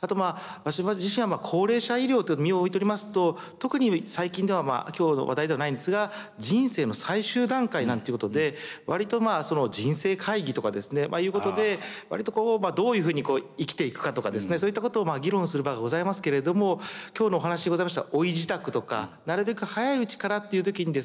あと私自身は高齢者医療と身を置いておりますと特に最近では今日の話題ではないんですが人生の最終段階なんていうことでわりと人生会議とかですねいうことでわりとこうどういうふうに生きていくかとかですねそういったことを議論する場がございますけれども今日のお話にございました老い支度とかなるべく早いうちからっていう時にですね